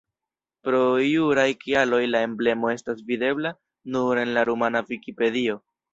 Pro juraj kialoj la emblemo estas videbla nur en la rumana vikipedio.